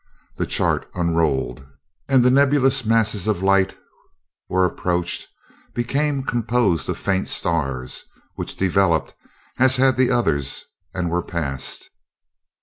The chart unrolled, and the nebulous masses of light were approached, became composed of faint stars, which developed as had the others, and were passed.